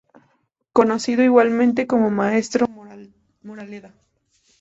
Conocido igualmente como Maestro Moraleda.